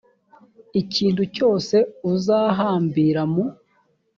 ikintu cyose uzahambira mu